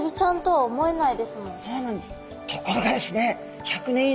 はい。